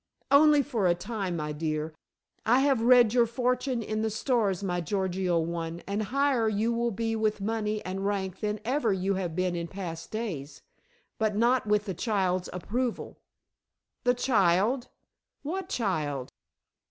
"Only for a time, my dear. I have read your fortune in the stars, my Gorgio one, and higher you will be with money and rank than ever you have been in past days. But not with the child's approval." "The child. What child?"